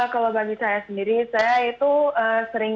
kalau bagi saya sendiri saya itu sering